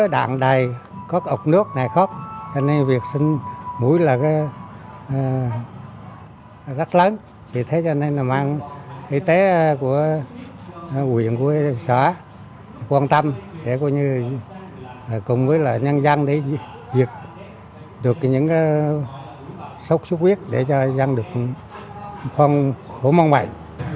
đang để dịch được những sốt xuất huyết để cho dân được khổ mong mại